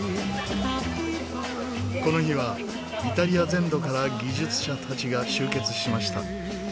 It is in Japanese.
この日はイタリア全土から技術者たちが集結しました。